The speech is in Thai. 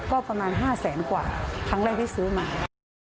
ก็ประมาณ๕แสนกว่าครั้งแรกที่ซื้อมา